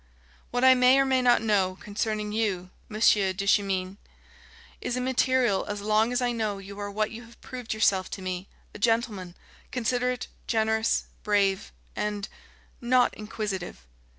"What I may or may not know concerning you, Monsieur Duchemin, is immaterial as long as I know you are what you have proved yourself to me, a gentleman, considerate, generous, brave, and not inquisitive."